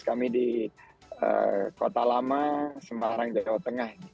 kami di kota lama semarang jawa tengah